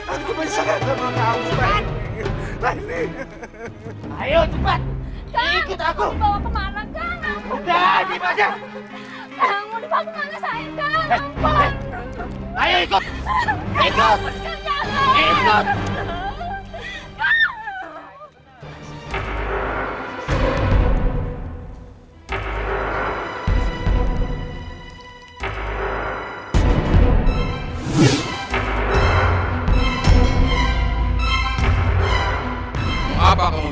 aku bisa mengalahkanmu pak eni